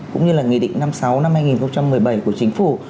cũng như là nghị định năm mươi sáu năm hai nghìn một mươi bảy của chính phủ